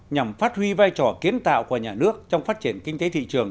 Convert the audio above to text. nhằm phát huy vai trò kiến tạo của nhà nước trong phát triển kinh tế thị trường